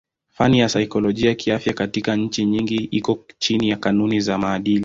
Fani ya saikolojia kiafya katika nchi nyingi iko chini ya kanuni za maadili.